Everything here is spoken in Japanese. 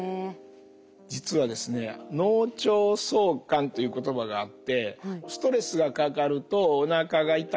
実はですねという言葉があってストレスがかかるとおなかが痛くなり